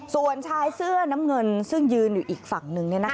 ส่วนชายเสื้อน้ำเงินซึ่งยืนอยู่อีกฝั่งนึง